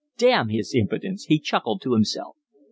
"Damn his impudence," he chuckled to himself.